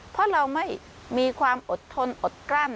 เพราะเราไม่มีความอดทนอดกลั้น